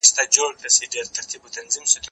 زه به اوږده موده د لوبو لپاره وخت نيولی وم؟